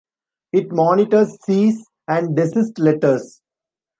It monitors cease and desist letters.